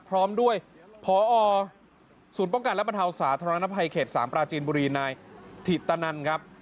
พร้อมด้วยพอศูนย์ป้องกันและบรรเทาสาธารณภัยเขต๓ปราจีนบุรีนายถิตนันครับ